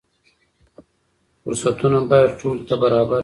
فرصتونه باید ټولو ته برابر وي.